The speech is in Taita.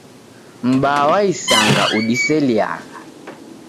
M'baa wa isanga udiseliagha.